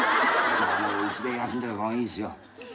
じゃあうちで休んでた方がいいですよ。